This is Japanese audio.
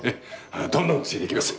どんどんついでいきますよ。